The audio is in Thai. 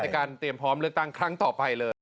การเตรียมพร้อมเลือกตั้งครั้งต่อไปเลย